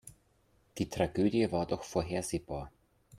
Die Tragödie war doch vorhersehbar.